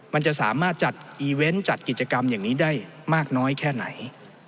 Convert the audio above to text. มันจะสามารถจัดอีเวนต์จัดกิจกรรมอย่างนี้ได้มากน้อยแค่ไหน